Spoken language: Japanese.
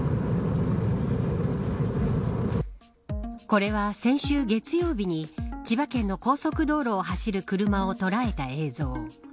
これは、先週月曜日に千葉県の高速道路を走る車を捉えた映像。